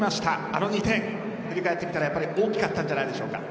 あの２点、振り返ってみたらやっぱり大きかったんじゃないでしょうか。